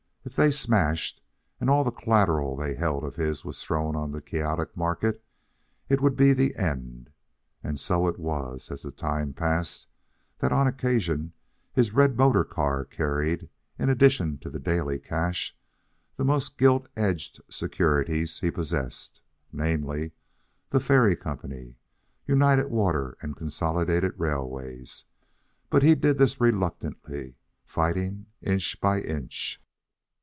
If they smashed and all the collateral they held of his was thrown on the chaotic market, it would be the end. And so it was, as the time passed, that on occasion his red motor car carried, in addition to the daily cash, the most gilt edged securities he possessed; namely, the Ferry Company, United Water and Consolidated Railways. But he did this reluctantly, fighting inch by inch.